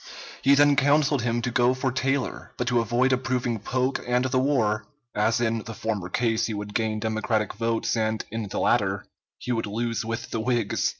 He then counseled him to go for Taylor, but to avoid approving Polk and the war, as in the former case he would gain Democratic votes and in the latter he would lose with the Whigs.